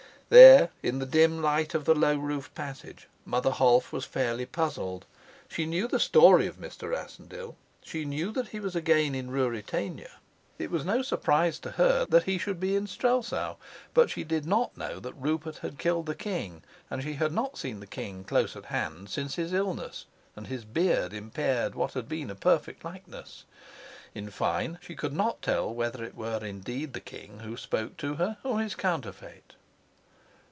There, in the dim light of the low roofed passage, Mother Holf was fairly puzzled. She knew the story of Mr. Rassendyll; she knew that he was again in Ruritania, it was no surprise to her that he should be in Strelsau; but she did not know that Rupert had killed the king, and she had not seen the king close at hand since his illness and his beard impaired what had been a perfect likeness. In fine, she could not tell whether it were indeed the king who spoke to her or his counterfeit.